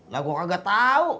lah gua kagak tau